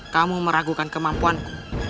kamu meragukan kemampuanku